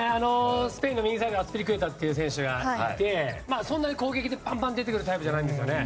スペインの右サイドのアスピリクエタっていう選手がいて、そんなに攻撃でバンバン出てくるタイプじゃないんですね。